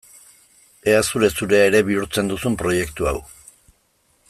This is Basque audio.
Ea zure-zurea ere bihurtzen duzun proiektu hau!